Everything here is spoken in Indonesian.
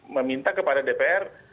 meminta kepada dpr